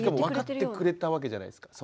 しかも分かってくれたわけじゃないですか